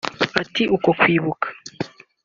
Ati ‘‘Uko twibuka